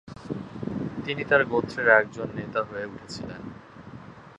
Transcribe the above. তিনি তার গোত্রের একজন নেতা হয়ে উঠেছিলেন।